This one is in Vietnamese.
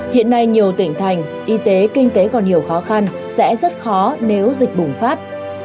hiện nay nhiều tỉnh thành y tế kinh tế còn nhiều khó khăn sẽ rất khó nếu dịch bùng phát